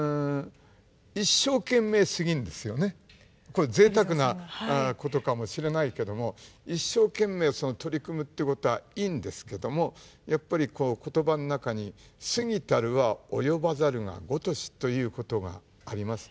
これぜいたくなことかもしれないけども一生懸命取り組むってことはいいんですけどもやっぱり言葉の中に「過ぎたるは及ばざるがごとし」ということがあります。